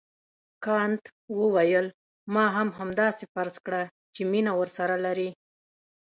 کانت وویل ما هم همداسې فرض کړه چې مینه ورسره لرې.